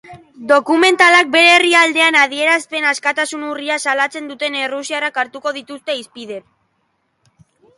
Dokumentalak bere herrialdean adierazpen askatasun urria salatzen duten errusiarrak hartuko ditu hizpide.